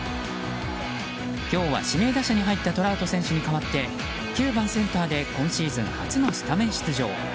今日は指名打者に入ったトラウト選手に代わって９番センターで今シーズン初のスタメン出場。